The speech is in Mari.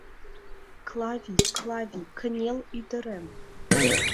Клавий, Клавий, кынел, ӱдырем.